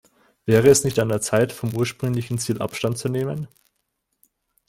Wäre es nicht an der Zeit, vom ursprünglichen Ziel Abstand zu nehmen?